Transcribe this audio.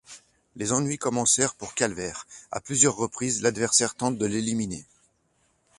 Les ennuis commencèrent pour Calvert: à plusieurs reprises, l'adversaire tente de l'éliminer.